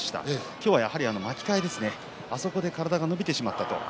今日はやはり巻き替えですねあそこで体が伸びてしまった。